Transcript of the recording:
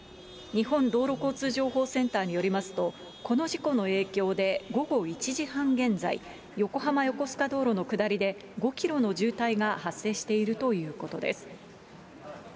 日本道路交通情報センターによりますと、この事故の影響で、午後１時半現在、横浜横須賀道路の下りで５キロの渋滞が発生しているということです。